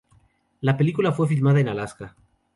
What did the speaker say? La película fue filmada en Alaska.